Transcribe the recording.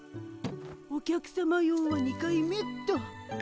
お客さま用は２回目っと。